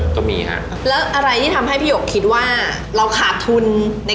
ดูนี่ดูมือดูนี่